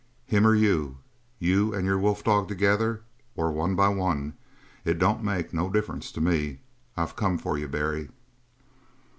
"Him or you you and your wolf together or one by one it don't make no difference to me. I've come for you, Barry!"